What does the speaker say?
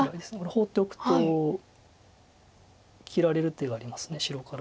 放っておくと切られる手があります白から。